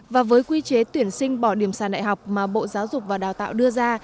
và với quy chế tuyển sinh bỏ điểm sàn đại học mà bộ giáo dục và đào tạo đưa ra